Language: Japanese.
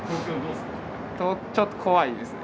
ちょっと怖いですね